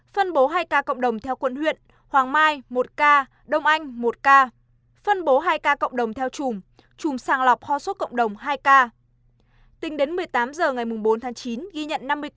phân bố hai ca cộng đồng theo quận huyện